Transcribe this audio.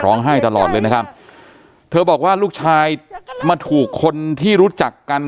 ให้ตลอดเลยนะครับเธอบอกว่าลูกชายมาถูกคนที่รู้จักกัน